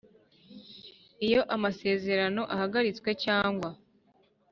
Iyo amasezerano ahagaritswe cyangwa